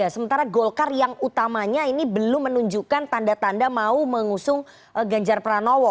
sementara golkar yang utamanya ini belum menunjukkan tanda tanda mau mengusung ganjar pranowo